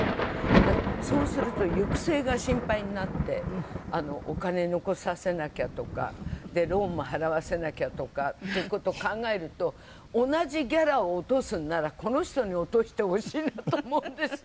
だからそうすると行く末が心配になってお金残させなきゃとかローンも払わせなきゃとかっていう事を考えると同じギャラを落とすんならこの人に落としてほしいなと思うんですよ。